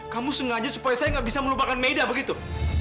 kamu sengaja supaya saya gak bisa melupakan maida begitu